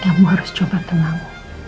kamu harus coba tenang